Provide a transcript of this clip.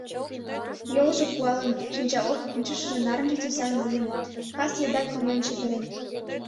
Йолжо пуалын, шинчаошыжо нарынче тӱсан лийын, кас еда кылмен чытырен.